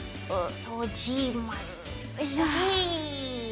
お！